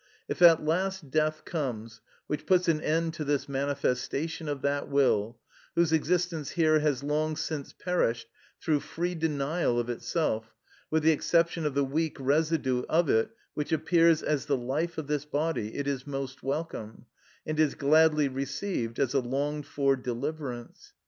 If at last death comes, which puts an end to this manifestation of that will, whose existence here has long since perished through free denial of itself, with the exception of the weak residue of it which appears as the life of this body; it is most welcome, and is gladly received as a longed for deliverance.